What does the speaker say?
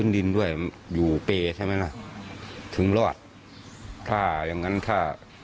ดินก่อนเค้าก็คิดว่าไม่รอดกันน่ะ